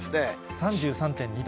３３．２度。